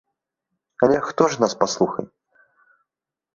Але хто ж нас паслухае?